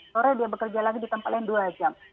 sore dia bekerja lagi di tempat lain dua jam